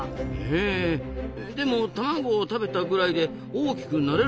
へでも卵を食べたぐらいで大きくなれるんですかね？